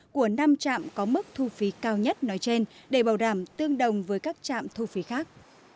của năm trạm có mức thu phí cao nhất nói trên để bảo đảm tương đồng với các trạm thu phí khác